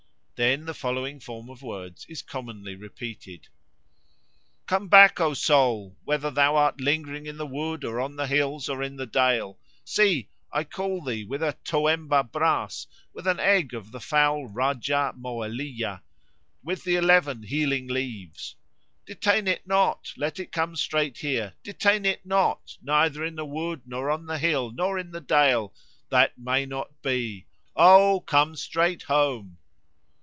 Then the following form of words is commonly repeated: "Come back, O soul, whether thou art lingering in the wood, or on the hills, or in the dale. See, I call thee with a toemba bras, with an egg of the fowl Rajah moelija, with the eleven healing leaves. Detain it not, let it come straight here, detain it not, neither in the wood, nor on the hill, nor in the dale. That may not be. O come straight home!"